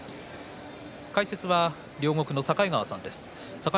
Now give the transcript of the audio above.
解説は両国の境川さんです。